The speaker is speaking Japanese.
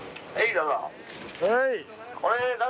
どうぞ。